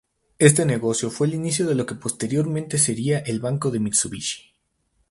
Este negocio fue el inicio de lo que posteriormente sería el Banco de Mitsubishi.